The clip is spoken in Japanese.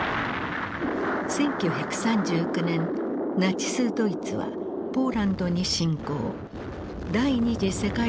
１９３９年ナチスドイツはポーランドに侵攻。